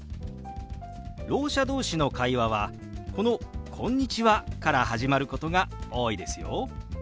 ろう者同士の会話はこの「こんにちは」から始まることが多いですよ。